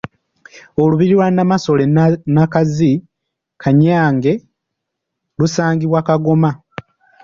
Olubiri lwa Nnamasole Nnakazi Kannyange lusangibwa Kagoma.